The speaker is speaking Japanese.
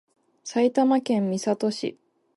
埼玉県美里町